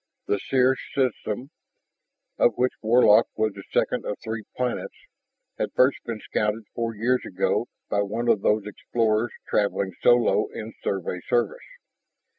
The Circe system, of which Warlock was the second of three planets, had first been scouted four years ago by one of those explorers traveling solo in Survey service.